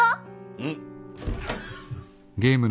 うん。